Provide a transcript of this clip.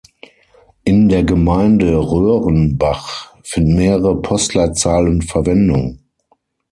In der Gemeinde Röhrenbach finden mehrere Postleitzahlen Verwendung.